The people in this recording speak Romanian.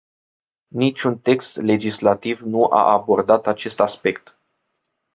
Niciun text legislativ nu a abordat acest aspect.